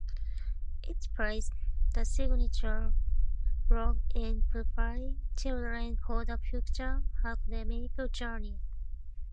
It plays a significant role in preparing children for their future academic journey.